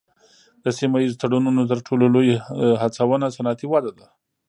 د سیمه ایزو تړونونو تر ټولو لوی هڅونه صنعتي وده ده